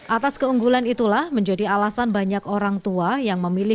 atas keunggulan itulah menjadi alasan banyak orang tua yang memilih